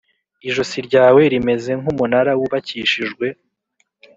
Ijosi ryawe rimeze nk umunara wubakishijwe